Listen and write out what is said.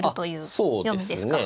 そうですね。